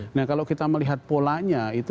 nah kalau kita melihat polanya itu